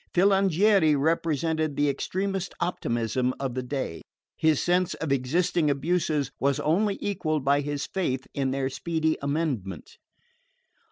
Filangieri represented the extremest optimism of the day. His sense of existing abuses was only equalled by his faith in their speedy amendment.